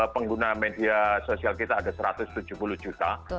pengguna media sosial kita ada satu ratus tujuh puluh juta